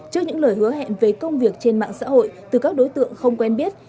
trước những lời hứa hẹn về công việc trên mạng xã hội từ các đối tượng không quen biết